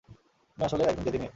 তুমি আসলে একজন জেদি মেয়ে।